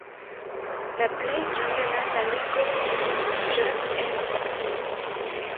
La plej granda landa ligo troviĝas en Saksio.